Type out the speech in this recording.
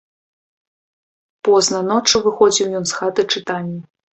Позна ноччу выходзіў ён з хаты-чытальні.